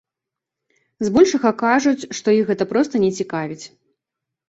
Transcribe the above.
Збольшага кажуць, што іх гэта проста не цікавіць.